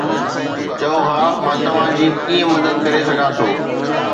چئو ها، مان توهان جي ڪيئن مدد ڪري سگهان ٿو؟